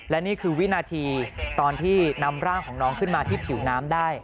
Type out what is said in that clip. และนี่คือวินาทีตอนที่นำร่างของน้องขึ้นมาที่ผิวน้ำได้